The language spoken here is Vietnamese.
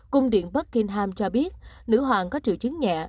cung điện buckingham cho biết nữ hoàng có triệu chứng nhẹ